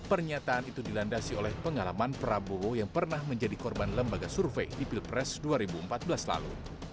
pernyataan itu dilandasi oleh pengalaman prabowo yang pernah menjadi korban lembaga survei di pilpres dua ribu empat belas lalu